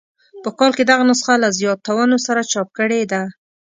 په کال کې دغه نسخه له زیاتونو سره چاپ کړې ده.